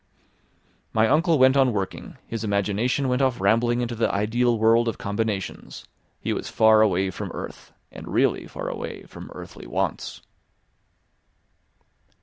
My uncle went on working, his imagination went off rambling into the ideal world of combinations; he was far away from earth, and really far away from earthly wants.